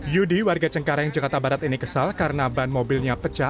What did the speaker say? yudi warga cengkareng jakarta barat ini kesal karena ban mobilnya pecah